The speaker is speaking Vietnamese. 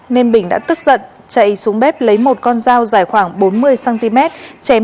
nên bình đã tức giận chạy xuống bếp lấy một con dao dài khoảng bốn mươi cm